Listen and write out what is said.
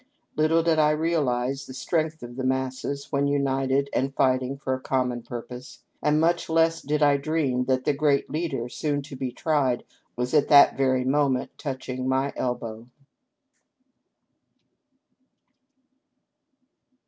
Little did I realize the strength of the masses when united and fighting for a common purpose ; and much less did I dream that the great leader soon to be tried was at that very moment touching my elbow